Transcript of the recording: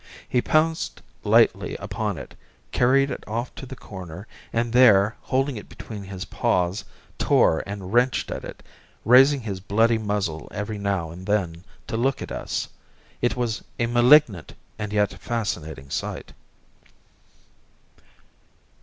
He pounced lightly upon it, carried it off to the corner, and there, holding it between his paws, tore and wrenched at it, raising his bloody muzzle every now and then to look at us. It was a malignant and yet fascinating sight.